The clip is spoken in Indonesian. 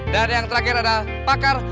dan yang terakhir ada pakar